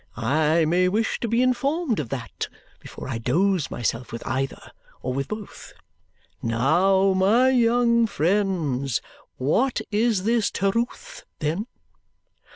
I may wish to be informed of that before I dose myself with either or with both. Now, my young friends, what is this Terewth then?